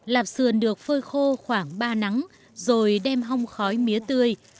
lạp sườn được phơi khô khoảng ba nắng rồi đem hòng khói mía tươi